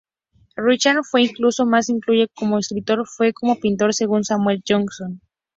Richardson fue incluso más influyente como escritor que como pintor, según Samuel Johnson.